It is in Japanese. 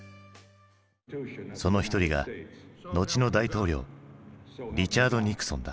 その一人が後の大統領リチャード・ニクソンだ。